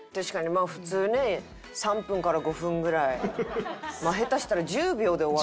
まあ普通ね３分から５分ぐらい下手したら１０秒で終わる。